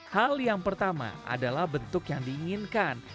hal yang pertama adalah bentuk yang diinginkan